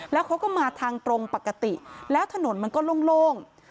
แล้วเขาก็มาทางตรงปกติแล้วถนนมันก็โล่ง